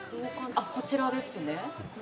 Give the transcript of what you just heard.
こちらですね。